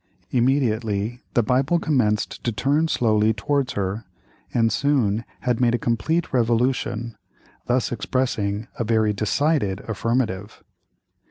Immediately the Bible commenced to turn slowly towards her, and soon had made a complete revolution, thus expressing a very decided affirmative.